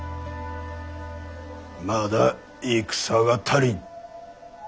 まだ戦が足りん。